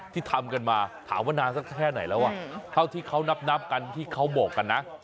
ที่ทำกันมาถามว่านานสักแค่ไหนแล้วเท่าที่เขานับกันที่เขาบอกกันนะ